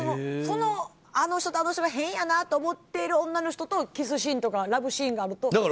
あの人とあの人が変だなと思っている女の人と、キスシーンとかラブシーンがあると気まずいよね。